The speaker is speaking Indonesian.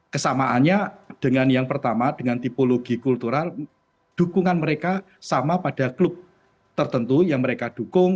kesamaannya dengan yang pertama dengan tipologi kultural dukungan mereka sama pada klub tertentu yang mereka dukung